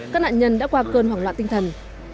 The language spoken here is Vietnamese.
các nạn nhân đã qua cơn hoảng loạn tinh thần